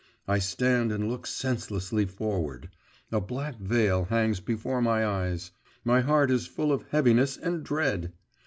I stand and look senselessly forward; a black veil hangs before my eyes; my heart is full of heaviness and dread!